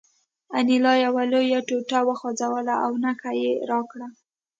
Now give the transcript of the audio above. انیلا یوه لویه ټوټه وخوځوله او نښه یې راکړه